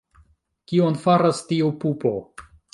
Kion faras tiu pupo?